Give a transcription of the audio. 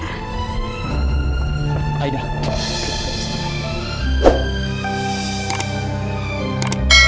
kalau gitu saya pulang dulu dokter